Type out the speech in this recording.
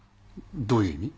どういう意味？